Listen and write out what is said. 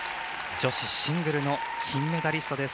女子シングルの金メダリストです。